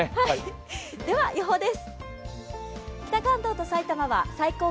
では予報です。